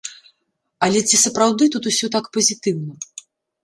Але ці сапраўды тут усё так пазітыўна?